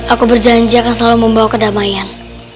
aku berjanji akan selalu membawa kedamaian